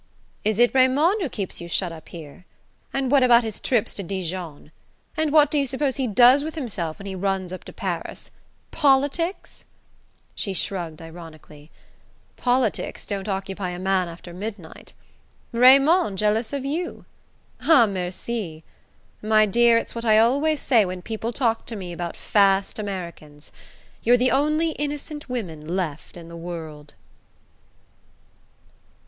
"Is it Raymond who keeps you shut up here? And what about his trips to Dijon? And what do you suppose he does with himself when he runs up to Paris? Politics?" She shrugged ironically. "Politics don't occupy a man after midnight. Raymond jealous of you? Ah, merci! My dear, it's what I always say when people talk to me about fast Americans: you're the only innocent women left in the world..."